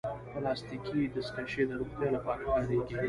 پلاستيکي دستکشې د روغتیا لپاره کارېږي.